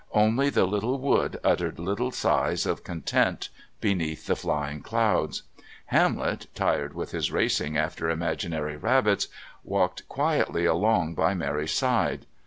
Only the little wood uttered little sighs of content beneath the flying clouds. Hamlet, tired with his racing after imaginary rabbits, walked quietly along by Mary's side.